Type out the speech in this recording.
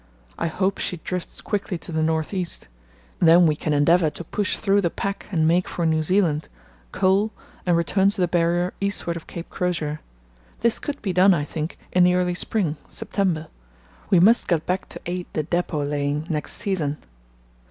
I hope she drifts quickly to the north east. Then we can endeavour to push through the pack and make for New Zealand, coal and return to the Barrier eastward of Cape Crozier. This could be done, I think, in the early spring, September. We must get back to aid the depot laying next season."